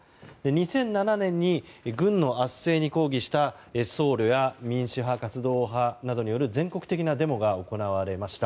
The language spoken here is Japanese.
２００７年に軍の圧政に抗議した僧侶や民主派活動家などによる全国的なデモが行われました。